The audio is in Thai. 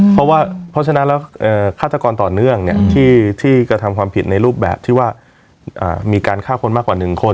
เพราะว่าเพราะฉะนั้นแล้วฆาตกรต่อเนื่องที่กระทำความผิดในรูปแบบที่ว่ามีการฆ่าคนมากกว่า๑คน